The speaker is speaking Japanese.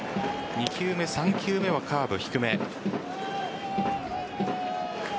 ２球目、３球目はカーブ低め。